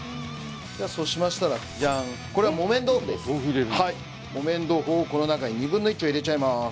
じゃそうしましたらジャンこれは木綿豆腐ですはい木綿豆腐をこの中に２分の１を入れちゃいます